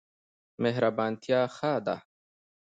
مهربانتیا ښه ده.